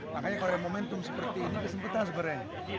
makanya kalau momentum seperti ini kesempatan sebenarnya